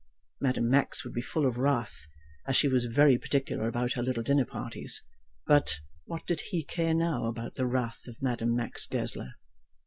Madame Max would be full of wrath, as she was very particular about her little dinner parties; but, what did he care now about the wrath of Madame Max Goesler?